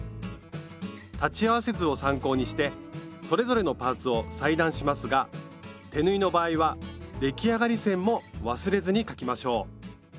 裁ち合わせ図を参考にしてそれぞれのパーツを裁断しますが手縫いの場合は出来上がり線も忘れずに描きましょう。